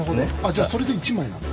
じゃあそれで１枚なんだ。